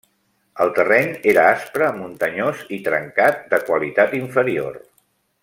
El terreny era aspre, muntanyós i trencat, de qualitat inferior.